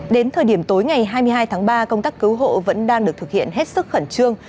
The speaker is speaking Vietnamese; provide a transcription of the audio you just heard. đến thời điểm tối ngày hai mươi hai tháng ba công tác cứu hộ vẫn đang được thực hiện hết sức khẩn trương